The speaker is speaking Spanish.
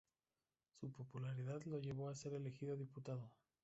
Su popularidad le llevó a a ser elegido diputado.